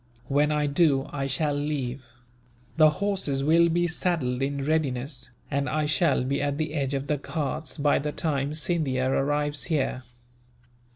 When I do, I shall leave. The horses will be saddled in readiness, and I shall be at the edge of the Ghauts by the time Scindia arrives here.